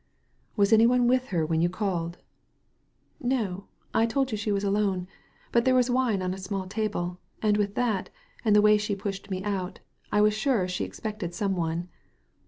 "Was any one with her when you called ?" *'No. I told you she was alone; but there was wine on a small table, and with that, and the way she pushed me out, I was sure she expected some one."